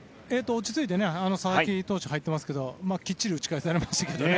落ち着いて佐々木投手も入っていましたがきっちり打ち返されましたけどね。